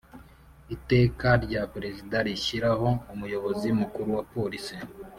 Iteka rya Perezida rishyiraho Umuyobozi Mukuru wa police